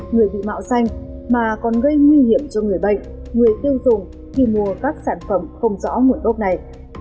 người bị mạo danh mà còn gây nguy hiểm cho người bệnh người tiêu dùng khi mua các sản phẩm không rõ nguồn gốc này